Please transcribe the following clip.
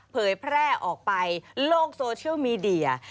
เผยแพร่ออกไปโลกโซเชียลมีเดีย